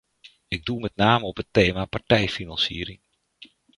Ik doel met name op het thema partijfinanciering.